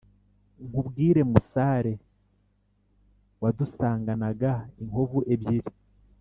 nkubwire musare wadusanganaga inkovu ebyiri